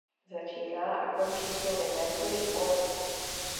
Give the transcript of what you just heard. Začíná a končí slovy „mercury falling“.